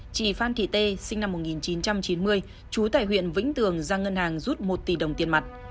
chị phan thị tê sinh năm một nghìn chín trăm chín mươi trú tại huyện vĩnh tường ra ngân hàng rút một tỷ đồng tiền mặt